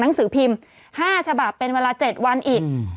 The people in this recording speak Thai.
หนังสือพิมพ์๕ฉบับเป็นเวลา๗วันอีก